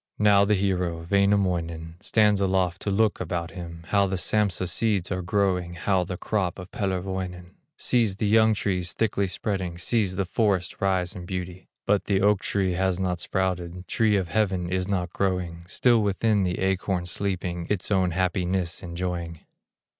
Now the hero, Wainamoinen, Stands aloft to look about him, How the Sampsa seeds are growing, How the crop of Pellerwoinen; Sees the young trees thickly spreading, Sees the forest rise in beauty; But the oak tree has not sprouted, Tree of heaven is not growing, Still within the acorn sleeping, Its own happiness enjoying.